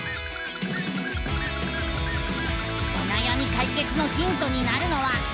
おなやみかいけつのヒントになるのは。